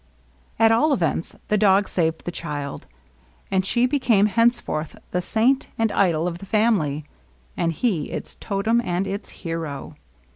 At all events^ the dog saved the child. And she became henceforth the saint and idol of the family, and he its totem and its hero.